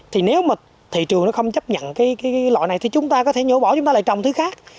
thì nếu mà thị trường nó không chấp nhận cái loại này thì chúng ta có thể nhổ bỏ chúng ta lại trồng thứ khác